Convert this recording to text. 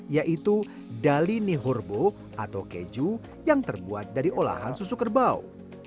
yaitu dali nihurbo atau keju yang terbuat dari olahan susu kerbau